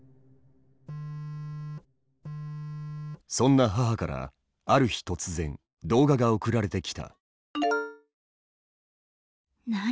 そんな母からある日突然動画が送られてきた。